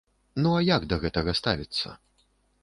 Ну а як да гэтага ставіцца?